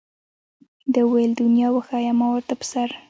ده وویل دنیا وښیه ما ورته په سر.